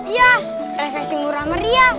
iya refreshing murah meriah